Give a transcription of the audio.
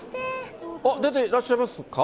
出ていらっしゃいますか？